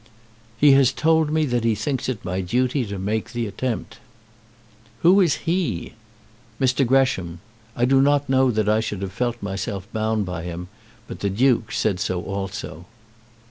"He has told me that he thinks it my duty to make the attempt." "Who is he?" "Mr. Gresham. I do not know that I should have felt myself bound by him, but the Duke said so also."